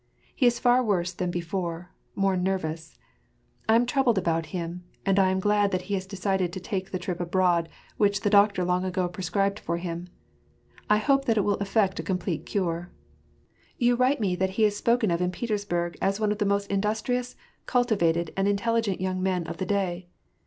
He is far worse than before, more nerroan. I am troubled about him, and I am glad that he has decided to take the trip abroad which the doctor long ago prescribed for him. I hope that it will effect a complete cure. You write me that he is spoken of in Petersburg as one of the most industrious, cultivated, and intelligent young men of the day.